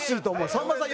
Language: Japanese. さんまさん